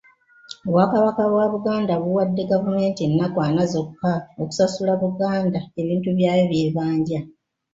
Obwakabaka bwa Buganda buwadde gavumenti ennaku ana zokka okusasula Buganda ebintu byayo by'ebanja.